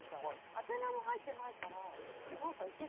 宛名も入ってないから。